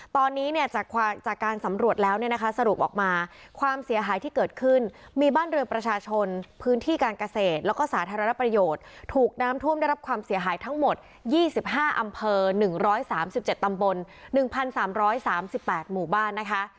ตอนนี้เนี่ยจากการสำรวจแล้วเนี่ยนะคะสรุปออกมาความเสียหายที่เกิดขึ้นมีบ้านเรือประชาชนพื้นที่การเกษตรแล้วก็สาธารณประโยชน์ถูกน้ำท่วมได้รับความเสียหายทั้งหมด๒๕อำเภอ๑๓๗ตำบล๑๓๓๘หมู่บ้านนะคะ